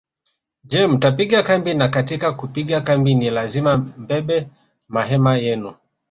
Je mtapiga kambi na katika kupiga kambi ni lazima mbebe mahema yenu